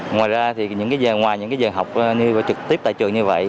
ngoài ra thì ngoài những giờ học trực tiếp tại trường như vậy